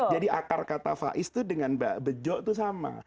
jadi akar kata faiz itu dengan bejo itu sama